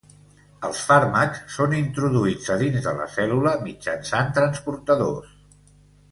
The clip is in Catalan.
Els fàrmacs són introduïts a dins de la cèl·lula mitjançant transportadors.